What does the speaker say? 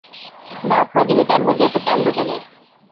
দাঁত মাজিবে, তার মধ্যে এত কান্ড কেন।